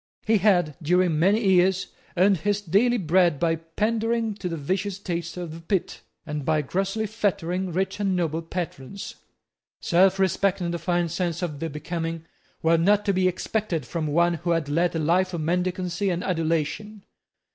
He had, during many years, earned his daily bread by pandaring to the vicious taste of the pit, and by grossly flattering rich and noble patrons. Selfrespect and a fine sense of the becoming were not to be expected from one who had led a life of mendicancy and adulation.